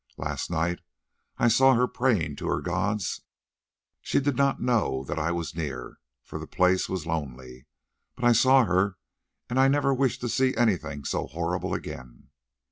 Last night I saw her praying to her gods; she did not know that I was near, for the place was lonely, but I saw her and I never wish to see anything so horrible again.